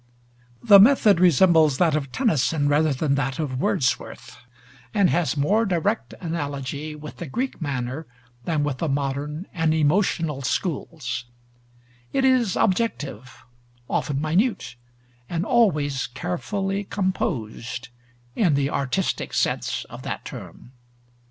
The method resembles that of Tennyson rather than that of Wordsworth, and has more direct analogy with the Greek manner than with the modern and emotional schools; it is objective, often minute, and always carefully composed, in the artistic sense of that term.